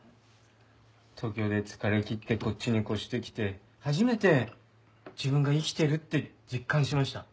東京で疲れきってこっちに越してきて初めて自分が生きてるって実感しました。